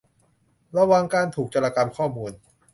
ระวังการถูกโจรกรรมข้อมูล